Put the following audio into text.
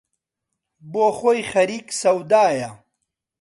بۆ خۆی خەریک سەودایە